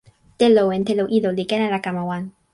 telo en telo ilo li ken ala kama wan.